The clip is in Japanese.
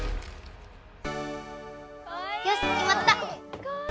よしきまった。